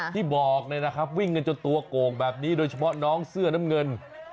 ที่บอกวิ่งกันจนตัวโก่งแบบนี้โดยเฉพาะน้องเสื้อน้ำเงิน